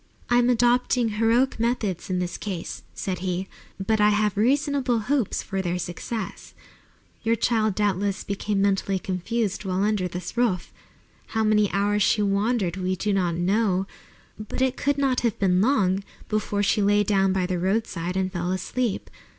"I am adopting heroic methods in this case," said he, "but I have reasonable hopes of their success. Your child doubtless became mentally confused while under this roof. How many hours she wandered, we do not know, but it could not have been long before she lay down by the roadside and fell asleep.